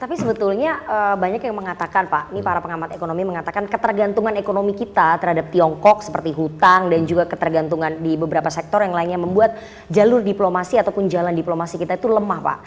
tapi sebetulnya banyak yang mengatakan pak ini para pengamat ekonomi mengatakan ketergantungan ekonomi kita terhadap tiongkok seperti hutang dan juga ketergantungan di beberapa sektor yang lainnya membuat jalur diplomasi ataupun jalan diplomasi kita itu lemah pak